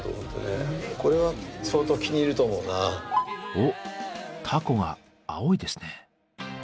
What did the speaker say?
おっタコが青いですね。